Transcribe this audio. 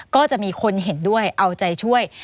ก็จะมีคนเห็นด้วยเอาใจช่วย